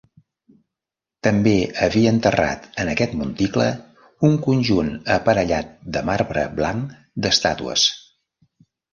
També havia enterrat en aquest monticle un conjunt aparellat de marbre blanc d'estàtues.